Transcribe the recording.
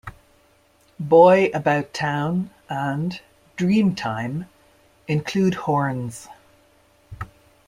"Boy About Town" and "Dream Time" include horns.